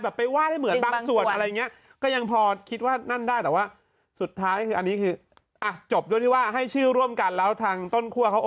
แบบไปวาดให้เหมือนบางส่วนอะไรอย่างนี้